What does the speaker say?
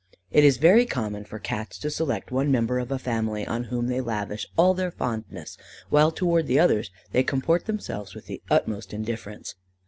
It is very common for Cats to select one member of a family on whom they lavish all their fondness, while towards the others they comport themselves with the utmost indifference.